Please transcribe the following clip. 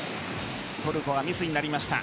トルコはミスになりました。